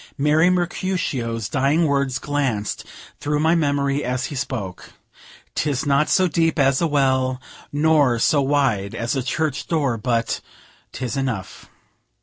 Merry Mercutio's dying words glanced through my memory as he spoke: "'Tis not so deep as a well, nor so wide as a church door, but 'tis enough."